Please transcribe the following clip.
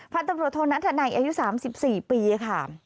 พันธุ์ตำรวจโทนัทธนัยอายุ๓๔ปีค่ะ